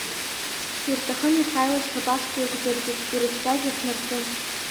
Ирҭахын иахьааиуаз сшьапашҵа иагәӡыргьы, ирыхьӡаз иахьнархәын.